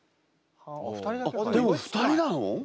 あっでも２人なの？